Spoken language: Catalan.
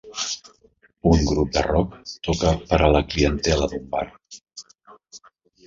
Un grup de rock toca per a la clientela d'un bar